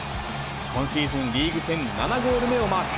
今シーズン、リーグ戦７ゴール目をマーク。